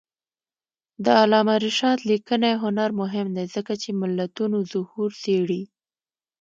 د علامه رشاد لیکنی هنر مهم دی ځکه چې ملتونو ظهور څېړي.